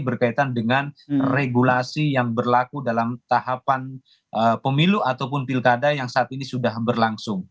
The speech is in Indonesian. berkaitan dengan regulasi yang berlaku dalam tahapan pemilu ataupun pilkada yang saat ini sudah berlangsung